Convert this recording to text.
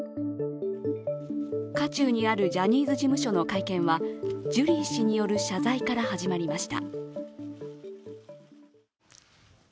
渦中にあるジャニーズ事務所の会見はジュリー氏による謝罪から始まりました。